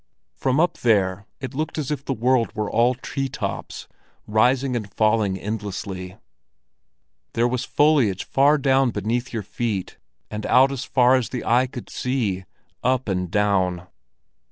From up there it looked as if the world were all tree tops, rising and falling endlessly; there was foliage far down beneath your feet and out as far as the eye could see, up and down.